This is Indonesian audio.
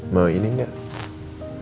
mau ini enggak